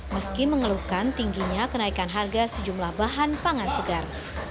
halukan tingginya kenaikan harga sejumlah bahan pangan segar